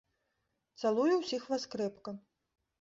Цалую ўсіх вас крэпка.